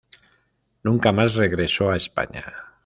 Nunca más regresó a España.